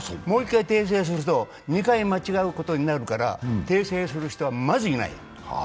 もう一回訂正すると、２回間違うことになるから訂正する人は、まずいない。